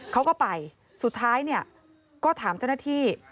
เขาก็ไปสุดท้ายเนี่ยก็ถามเจ้าหน้าที่